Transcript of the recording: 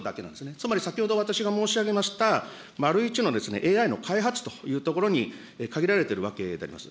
つまり先ほど、私が申し上げました、丸１のＡＩの開発というところに限られてるわけであります。